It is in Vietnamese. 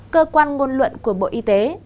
cơ quan ngôn luận của bộ y tế